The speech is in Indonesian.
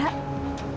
saya tresan sus